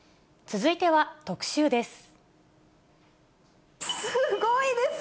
続いては特集です。